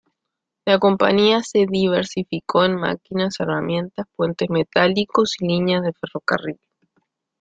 La compañía se diversificó en máquinas-herramienta, puentes metálicos y líneas de ferrocarril.